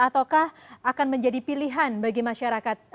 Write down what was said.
ataukah akan menjadi pilihan bagi masyarakat